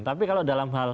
tapi kalau dalam hal lain